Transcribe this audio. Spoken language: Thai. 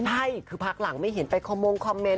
ใช่คือพักหลังไม่เห็นไปคอมมงคอมเมนต